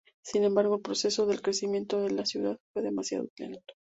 Sin embargo el proceso del crecimiento de la ciudad fue demasiado lento.